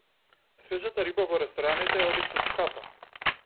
Свежата риба во рестораните е обично скапа.